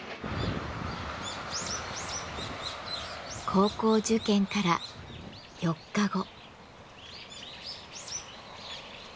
高校受験から４日後。